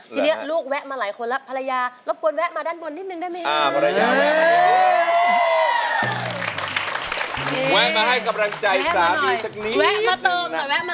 ทีนี้ลูกแวะมาหลายคนแล้วภรรยารบกวนแวะมาด้านบนนิดนึงได้ไหมครับ